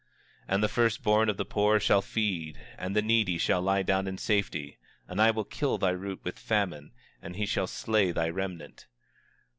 24:30 And the first born of the poor shall feed, and the needy shall lie down in safety; and I will kill thy root with famine, and he shall slay thy remnant.